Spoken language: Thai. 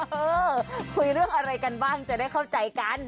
เออคุยเรื่องอะไรกันบ้างจะได้เข้าใจกัน